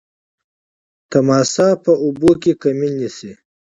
تمساح په اوبو کي کمین نیسي.